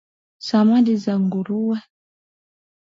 samadi za nguruwe